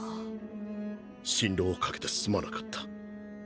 心労をかけてすまなかった。